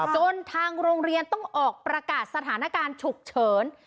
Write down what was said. จนทางโรงเรียนต้องออกประกาศสถานการณ์ฉุกเฉิน